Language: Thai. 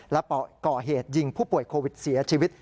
และก่อเหตุยิงผู้ป่วยโควิดเสียชีวิต